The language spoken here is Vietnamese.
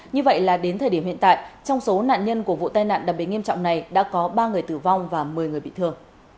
như vậy là đến thời điểm hiện tại trong số nạn nhân của vụ tai nạn đặc biệt nghiêm trọng này đã có ba người tử vong và một mươi người bị thương